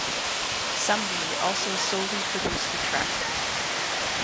Sumney also solely produced the track.